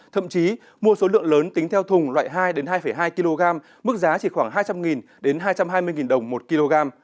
thậm chí mua số lượng lớn tính theo thùng loại hai hai kg mức giá chỉ khoảng hai trăm linh hai trăm hai mươi đồng một kg